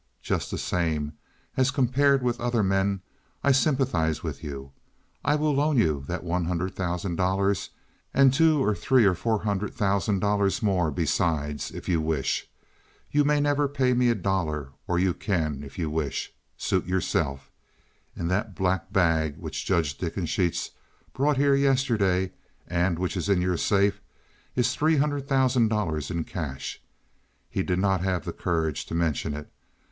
Just the same, as compared with other men, I sympathize with you. I will loan you that one hundred thousand dollars and two or three or four hundred thousand dollars more besides if you wish. You need never pay me a dollar—or you can if you wish. Suit yourself. In that black bag which Judge Dickensheets brought here yesterday, and which is in your safe, is three hundred thousand dollars in cash. He did not have the courage to mention it.